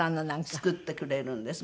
作ってくれるんです。